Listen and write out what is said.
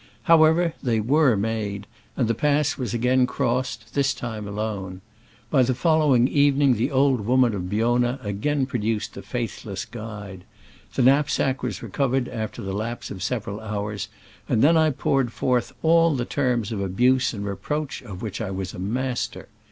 However, they were made, and the pass was again crossed, this time alone. By the fol lowing evening the old woman of Biona again produced the faithless guide. The knapsack was recovered after the lapse of several hours, and then I poured forth all the terms of abuse and re proach of which I was master.